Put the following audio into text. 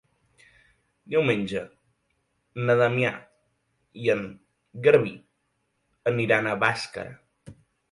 Diumenge na Damià i en Garbí iran a Bàscara.